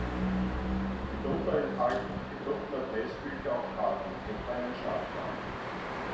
Mitunter enthalten die gedruckten Adressbücher auch Karten, etwa einen Stadtplan.